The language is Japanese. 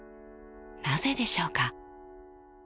なぜでしょうか？